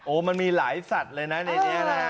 โอ้มันมีหลายสัตว์เลยนะในนี้